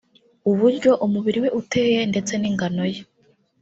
uburyo umubiri we uteye ndetse n`ingano ye